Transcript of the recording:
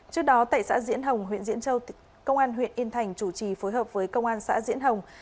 trước đó tại xã diễn hồng huyện diễn châu công an huyện yên thành chủ trì phối hợp với công an xã diễn hồng